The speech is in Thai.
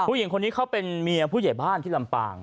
ผู้หญิงคนนี้เขาเป็นเมียผู้ใหญ่บ้านที่ลำปาง